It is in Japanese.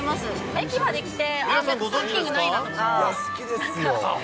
駅まで来て、ストッキングないなとか。